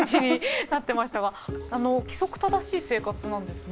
規則正しい生活なんですね。